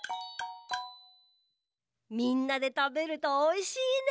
みんなでたべるとおいしいね。